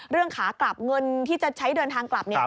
เรื่องขากลับเงินที่จะใช้เดินทางกลับ